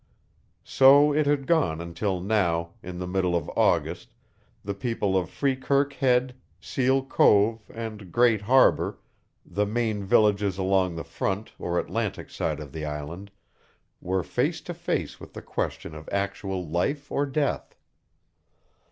So it had gone until now, in the middle of August, the people of Freekirk Head, Seal Cove, and Great Harbor, the main villages along the front or Atlantic side of the island, were face to face with the question of actual life or death.